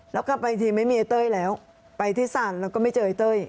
แล้วกลับไปอีกทีไม่มีไอ้เต้ยแล้วไปที่ศาลแล้วก็ไม่เจอไอ้เต้ย